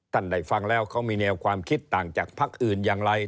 ได้ฟังแล้วเขามีแนวความคิดต่างจากพักอื่นอย่างไร